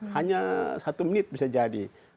hanya satu menit bisa jadi